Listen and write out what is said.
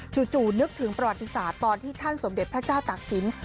นึกถึงประวัติศาสตร์ตอนที่ท่านสมเด็จพระเจ้าตากศิลป